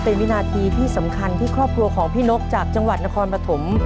เป็นวินาทีที่สำคัญที่ครอบครัวของพี่นกจากจังหวัดนครปฐม